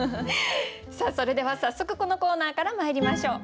さあそれでは早速このコーナーからまいりましょう。